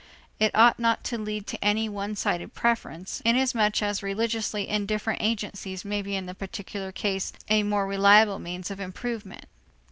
It ought not to lead to any one sided preference, inasmuch as religiously indifferent agencies may be in the particular case a more reliable means of improvement.